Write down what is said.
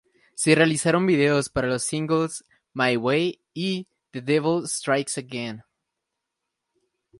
Se realizaron videos para los singles "My Way" y "The Devil Strikes Again".